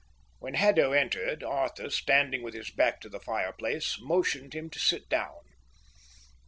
When Haddo entered, Arthur, standing with his back to the fireplace, motioned him to sit down.